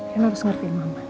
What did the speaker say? karena harus ngerti mama